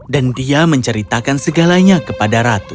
dan dia menceritakan segalanya kepada ratu